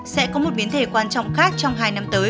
sẽ có một biến thể quan trọng khác trong hai năm tới